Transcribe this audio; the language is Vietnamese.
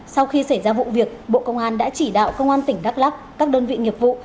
sau khi xảy ra vụ việc bộ công an đã chỉ đạo công an tỉnh đắk lắc các đơn vị nghiệp vụ